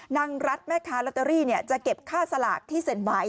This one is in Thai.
นางรัฐแม่ค้าลอตเตอรี่จะเก็บค่าสลากที่เซ็นไว้